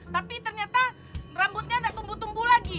tapi ternyata rambutnya tidak tumbuh tumbuh lagi